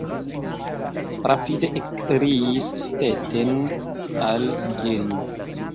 rapide ekkriis Stetten al Gering.